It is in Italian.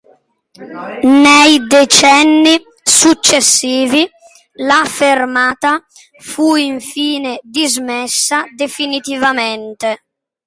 Nei decenni successivi la fermata fu infine dismessa definitivamente.